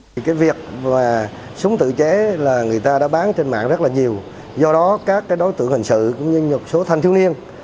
thì cái việc mà súng tự chế là người ta đã bán trên mạng rất là nhiều do đó các đối tượng hình sự cũng như một số thanh thiếu niên